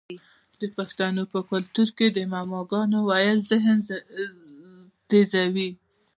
د پښتنو په کلتور کې د معما ګانو ویل ذهن تیزوي.